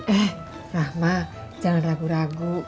eh rahma jangan ragu ragu